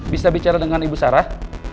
bisa bicara dengan ibu sarah